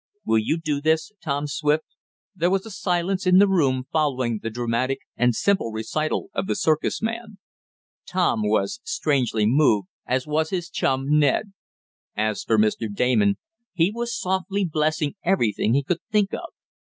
Will you do this, Tom Swift?" There was a silence in the room following the dramatic and simple recital of the circus man. Tom was strangely moved, as was his chum Ned. As for Mr. Damon, he was softly blessing every thing he could think of.